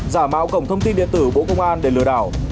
giả mạo cổng thông tin điện tử bộ công an để lừa đảo